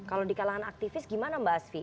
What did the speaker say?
kalau di kalangan aktivis gimana mbak asfi